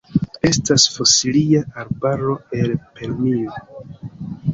Estas fosilia arbaro el Permio.